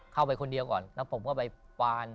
เข้าไปคนเดียวก่อนแล้วผมก็ไปปาน